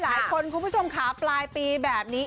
ห้าคนคุณผู้ชมคะปลายปีแบบนี้